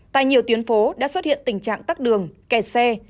tại nhiều tuyến phố đã xuất hiện tình trạng tắt đường kẻ xe